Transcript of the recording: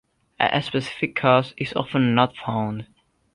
A specific cause is often not found.